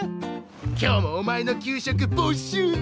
今日もお前の給食没収だ！